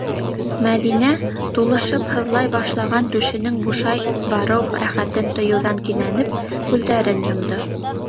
Мәҙинә, тулышып һыҙлай башлаған түшенең бушай барыу рәхәтен тойоуҙан кинәнеп, күҙҙәрен йомдо...